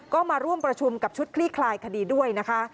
ก็มาร่วมประชุมกับชุดคลี่คลายคดีด้วยนะคะ